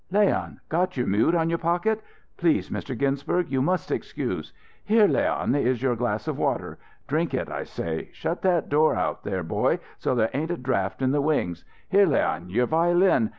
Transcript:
Leon, got your mute on your pocket? Please Mr. Ginsberg you must excuse Here, Leon, is your glass of water. Drink it, I say. Shut that door out there, boy, so there ain't a draft in the wings. Here, Leon, your violin.